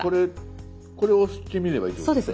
これ押してみればいいってことですね。